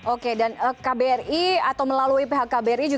oke dan kbri atau melalui pihak kbri